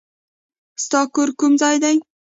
ستا کور کوم ځای دی؟